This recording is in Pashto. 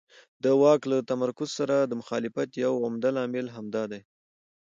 د واک له تمرکز سره د مخالفت یو عمده لامل همدا دی.